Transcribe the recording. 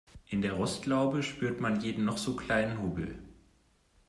In der Rostlaube spürt man jeden noch so kleinen Hubbel.